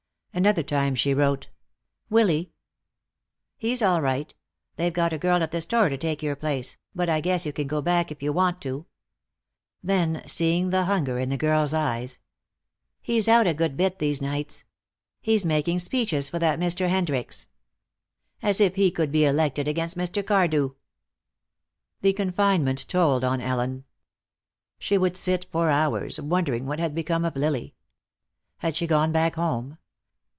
Another time she wrote: "Willy?" "He's all right. They've got a girl at the store to take your place, but I guess you can go back if you want to." Then, seeing the hunger in the girl's eyes: "He's out a good bit these nights. He's making speeches for that Mr. Hendricks. As if he could be elected against Mr. Cardew!" The confinement told on Ellen. She would sit for hours, wondering what had become of Lily. Had she gone back home?